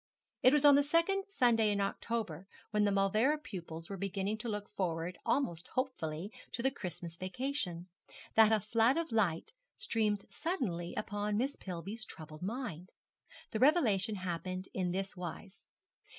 It was on the second Sunday in October, when the Mauleverer pupils were beginning to look forward, almost hopefully, to the Christmas vacation, that a flood of light streamed suddenly upon Miss Pillby's troubled mind. The revelation happened in this wise.